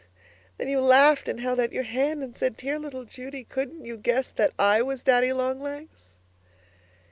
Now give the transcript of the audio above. Then you laughed and held out your hand and said, 'Dear little Judy, couldn't you guess that I was Daddy Long Legs?'